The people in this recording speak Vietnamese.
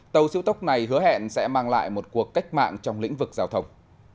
tàu siêu tốc này hứa hẹn sẽ mang lại một cuộc cách mạng trong lĩnh vực giao thông